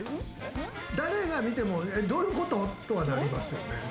誰が見ても、どういうこと？とはなりますよね。